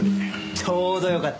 ちょうどよかった。